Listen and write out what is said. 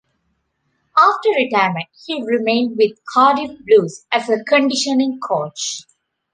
After retirement, he remained with Cardiff Blues as a conditioning coach.